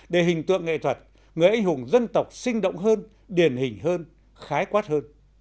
để hình tượng nghệ thuật người anh hùng dân tộc sinh động hơn điển hình hơn khái quát hơn